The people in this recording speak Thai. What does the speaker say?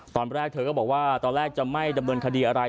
ตอนแรกเธอก็บอกว่าตอนแรกจะไม่ดำเนินคดีอะไร